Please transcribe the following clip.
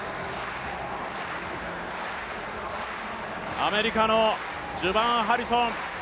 アメリカのジュバーン・ハリソン。